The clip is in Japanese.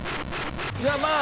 いやまあ。